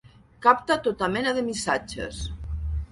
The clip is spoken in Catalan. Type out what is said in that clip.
Capta tota mena de missatges.